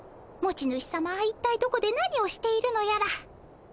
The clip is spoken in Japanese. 持ち主さま一体どこで何をしているのやら。